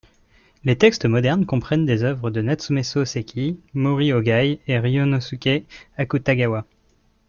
Les textes modernes comprennent des œuvres de Natsume Sōseki, Mori Ōgai et Ryūnosuke Akutagawa.